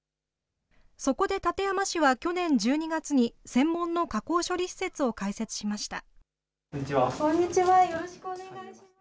そこで館山市は去年１２月に、専門の加工処理施設を開設しました。